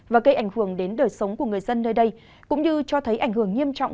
và gây ảnh hưởng đến đời sống của người dân nơi đây cũng như cho thấy ảnh hưởng nghiêm trọng